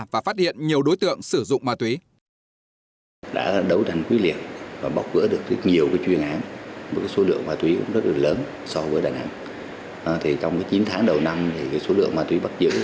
và phát hiện nhiều đối tượng sử dụng ma túy